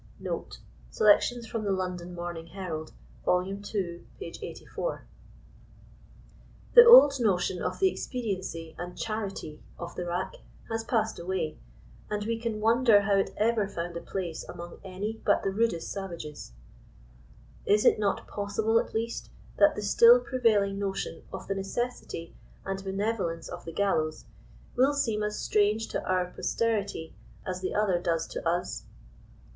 "* The old notion of the expediency and charity" of the rack has passed away, and we can wonder how it ever found a place among any but the rudest savages. Is it not possible^ at least, that the still prevailing notion of the necessity and benevolence of the gallows, will seem as strange to our posterity as the other does to us?